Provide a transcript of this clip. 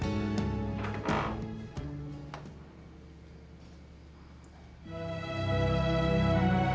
gobi aku mau ke rumah